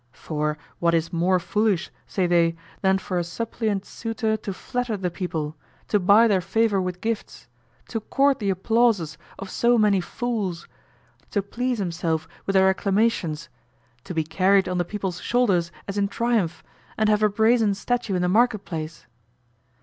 For what is more foolish, say they, than for a suppliant suitor to flatter the people, to buy their favor with gifts, to court the applauses of so many fools, to please himself with their acclamations, to be carried on the people's shoulders as in triumph, and have a brazen statue in the marketplace?